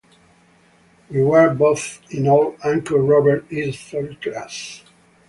We were both in old Uncle Robert's history class.